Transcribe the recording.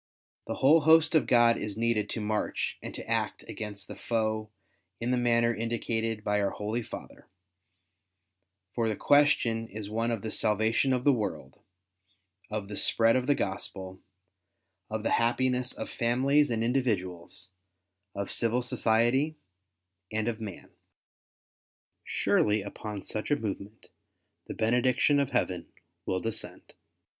The whole host of God is needed to march and to act against the foe in the manner indicated by our Ploly Father ; for the question is one of the salvation of the world, of the spread of the Gospel, of the happiness of families and individuals, of civil society, and of man. Surely upon such a movement the bene diction of Heaven will descend.